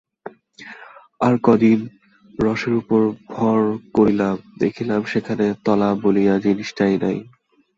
আর একদিন রসের উপর ভর করিলাম, দেখিলাম সেখানে তলা বলিয়া জিনিসটাই নাই।